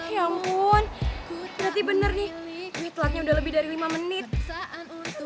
ya ampun berarti bener nih telatnya udah lebih dari lima menit